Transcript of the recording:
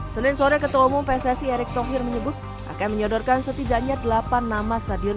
senin sore ketua umum pssi erick thohir menyebut akan menyodorkan setidaknya delapan nama stadion